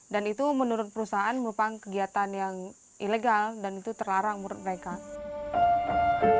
dan itu menurut perusahaan merupakan kegiatan yang ilegal dan itu terlarang menurut mereka